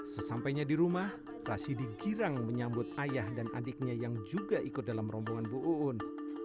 sesampainya di rumah rasidi girang menyambut ayah dan adiknya yang juga ikut dalam rombongan bu uun